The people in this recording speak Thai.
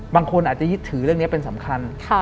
บางคนอาจจะยึดถือเรื่องนี้เป็นสำคัญ